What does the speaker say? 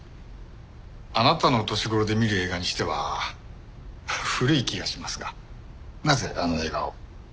あなたの年頃で見る映画にしては古い気がしますがなぜあの映画を？